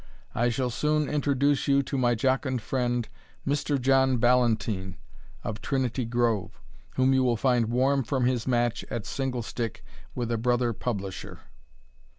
I shall soon introduce you to my jocund friend, Mr. John Ballantyne of Trinity Grove, whom you will find warm from his match at single stick with a brother Publisher.